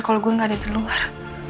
kalau gue gak ada di luar